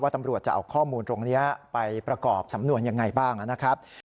ตำรวจจะเอาข้อมูลตรงนี้ไปประกอบสำนวนยังไงบ้างนะครับ